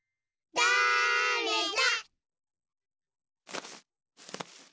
だれだ？